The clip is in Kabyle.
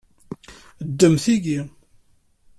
Ddem tigi.